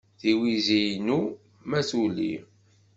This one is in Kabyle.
tiwizi-inu ma tuli.